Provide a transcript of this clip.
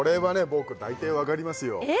僕大体わかりますよ